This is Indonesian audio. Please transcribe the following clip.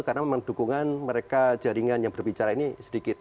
karena memang dukungan mereka jaringan yang berbicara ini sedikit